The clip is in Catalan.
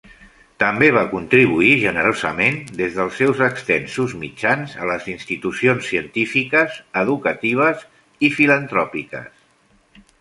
També va contribuir generosament des dels seus extensos mitjans a les institucions científiques, educatives i filantròpiques.